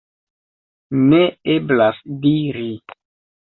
Ne eblas diri.